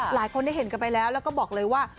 หลายคนได้เห็นกันไปแล้วแล้วก็บอกเลยว่า